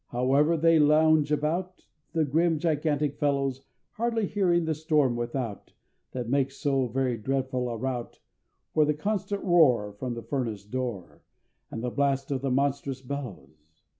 However, there they lounge about, The grim, gigantic fellows, Hardly hearing the storm without, That makes so very dreadful a rout, For the constant roar From the furnace door. And the blast of the monstrous bellows!